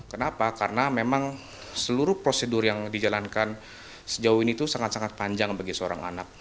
kenapa karena memang seluruh prosedur yang dijalankan sejauh ini itu sangat sangat panjang bagi seorang anak